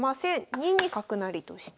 ２二角成として。